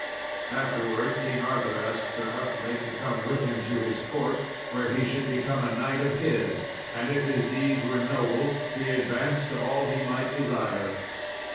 Afterwards, King Arthur asked Sir Outzlake to come with him to his court, where he should become a knight of his, and, if his deeds were noble, be advanced to all he might desire.